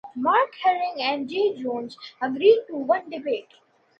Mark Herring and Jay Jones agreed to one debate.